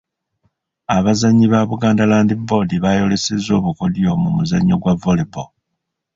Abazannyi ba Buganda Land Board baayolesezza obukodyo mu muzannyo gwa Volley Ball.